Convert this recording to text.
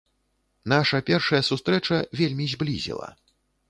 Наша першая сустрэча вельмі зблізіла.